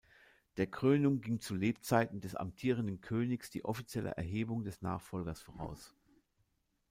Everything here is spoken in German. Der Krönung ging zu Lebzeiten des amtierenden Königs die offizielle Erhebung des Nachfolgers voraus.